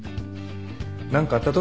何かあったと？